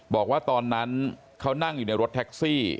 บอกว่าตอนนั้นเขานั่งอยู่ในรถแท็กซี่